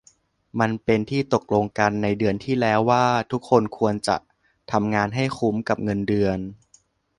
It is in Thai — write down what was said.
มันเป็นที่ตกลงกันในเดือนที่แล้วว่าทุกคนควรจะทำงานให้คุ้มกับเงินเดือน